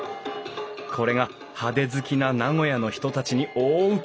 これが派手好きな名古屋の人たちに大受け。